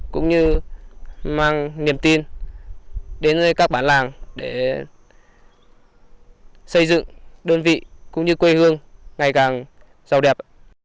cũng như mang niềm tin đến các bản làng để xây dựng đơn vị cũng như quê hương ngày càng giàu đẹp